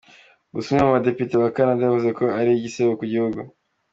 Gusa umwe mu badepite ba Canada yavuze ko ibi ari igisebo ku gihugu.